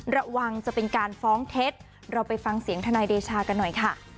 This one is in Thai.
ระวังจะเป็นการฟ้องเท็จเราไปฟังเสียงทนายเดชากันหน่อยค่ะ